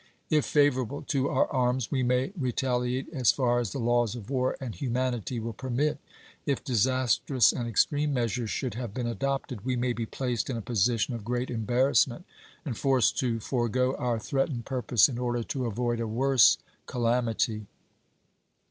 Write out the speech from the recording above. If favorable to our arms, we may re taliate as far as the laws of war and humanity will permit. If disastrous and extreme measures should have been adopted, we may be placed in a position of great embarrassment, and forced to forego our threatened purpose in order to avoid a worse ca lamity."